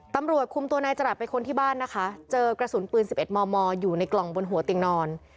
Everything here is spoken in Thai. ตำรวจคุมตัวนายจรัสไปค้นที่บ้านนะคะเจอกระสุนปืน๑๑มมอยู่ในกล่องบนหัวเตียงนอน